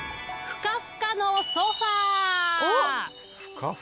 ふかふかのソファー？